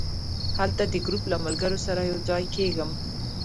هلته د ګروپ له ملګرو سره یو ځای کېږم.